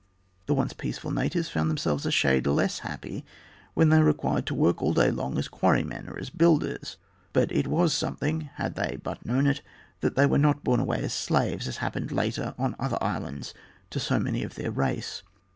The once peaceful natives found themselves a shade less happy when they were required to work all day long as quarry men or as builders, but it was something, had they but known it, that they were not borne away as slaves, as happened later on other islands to so many of their race.